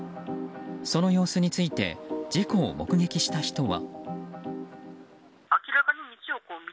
その様子について事故を目撃した人は。